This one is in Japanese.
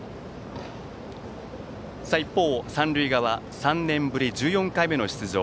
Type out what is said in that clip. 一方、三塁側３年ぶり１４回目の出場。